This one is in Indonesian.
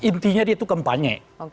intinya dia itu kampanye